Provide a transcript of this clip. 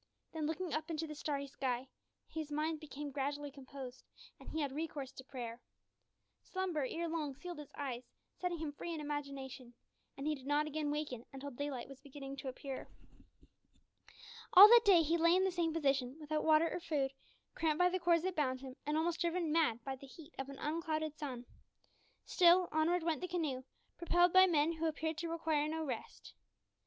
Then, looking up into the starry sky, his mind became gradually composed, and he had recourse to prayer. Slumber ere long sealed his eyes, setting him free in imagination, and he did not again waken until daylight was beginning to appear. All that day he lay in the same position, without water or food, cramped by the cords that bound him, and almost driven mad by the heat of an unclouded sun. Still, onward went the canoe propelled by men who appeared to require no rest.